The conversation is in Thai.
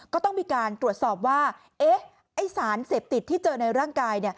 ก็ต้องมีการตรวจสอบว่าไอ้สารเสพติดที่เจอในร่างกาย